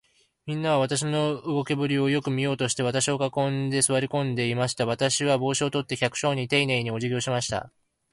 みんなは、私の動きぶりをよく見ようとして、私を囲んで、坐り込んでしまいました。私は帽子を取って、百姓にていねいに、おじぎをしました。